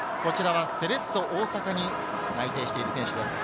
セレッソ大阪に内定している選手です。